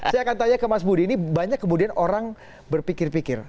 saya akan tanya ke mas budi ini banyak kemudian orang berpikir pikir